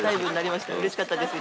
うれしかったです